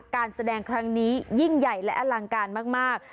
การแสดงครั้งนี้ยิ่งใหญ่และอลังการมาก